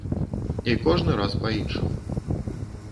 І кожны раз па-іншаму.